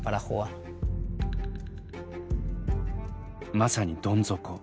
まさにどん底。